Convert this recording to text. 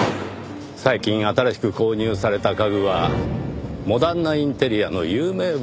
最近新しく購入された家具はモダンなインテリアの有名ブランドです。